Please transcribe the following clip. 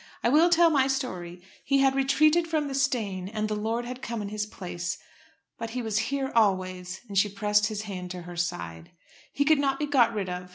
"I will tell my story. He had retreated from the stain, and the lord had come in his place. But he was here always," and she pressed his hand to her side. "He could not be got rid of.